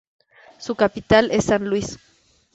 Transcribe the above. Su capital es San Luis.